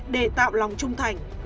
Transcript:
để tạo lòng trung thành